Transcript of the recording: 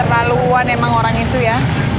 terlaluan emang orang itu ya